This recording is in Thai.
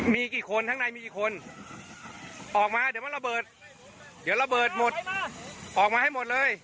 มีกี่คนข้างในมีกี่คนออกมาเดี๋ยวมันระเบิดเดี๋ยวระเบิดหมดออกมาให้หมดเลย